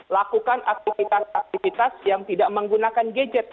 lakukan aktivitas aktivitas yang tidak menggunakan gadget